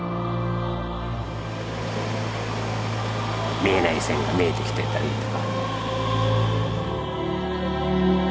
見えない線が見えてきてたりとか。